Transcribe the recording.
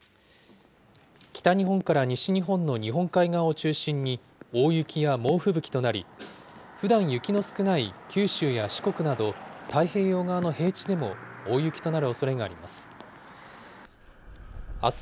北日本から西日本の日本海側を中心に、大雪や猛吹雪となり、ふだん、雪の少ない九州や四国など太平洋側の平地でも大雪となるおそれがあります。